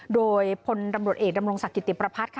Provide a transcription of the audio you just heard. โดยผลพิวัติพิเคราะห์สักต่างชายดำรงศคิตติบรพัตน์